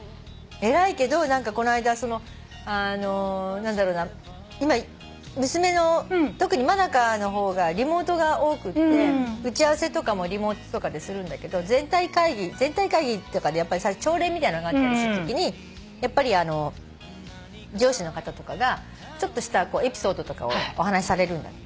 偉いけどこの間あの何だろうな今娘の特に真香の方がリモートが多くって打ち合わせとかもリモートとかでするんだけど全体会議とかで朝礼みたいなのがあったりするときにやっぱりあの上司の方とかがちょっとしたエピソードとかをお話しされるんだって。